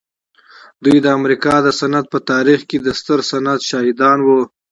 دوی د امریکا د صنعت په تاریخ کې د ستر صنعت شاهدان وو